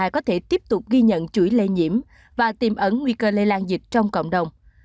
có thể tiếp tục ghi nhận chuỗi lây nhiễm và tiềm ấn nguy cơ lây lan dịch trong cộng đồng